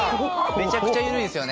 めちゃくちゃゆるいですよね。